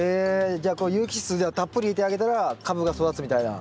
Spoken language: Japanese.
じゃあこう有機質じゃあたっぷり入れてあげたら株が育つみたいな。